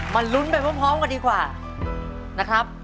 ลุ้นไปพร้อมกันดีกว่านะครับ